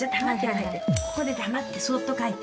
ここで黙ってそっと描いて。